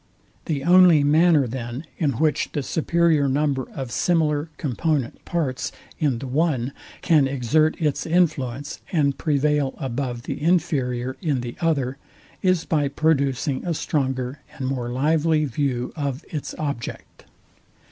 The only manner then, in which the superior number of similar component parts in the one can exert its influence, and prevail above the inferior in the other, is by producing a stronger and more lively view of its object.